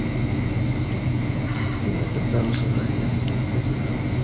Tiene retablos e imágenes en el interior.